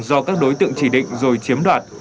do các đối tượng chỉ định rồi chiếm đoạt